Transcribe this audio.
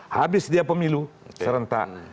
habis dia pemilu serentak